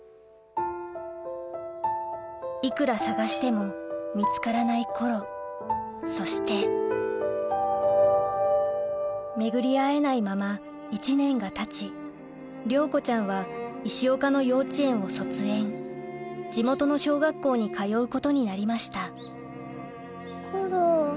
いくら捜しても見つからないコロそして巡り合えないまま１年がたち亮子ちゃんは石岡の幼稚園を卒園地元の小学校に通うことになりましたコロ。